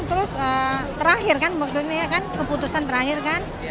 terus terakhir kan keputusan terakhir kan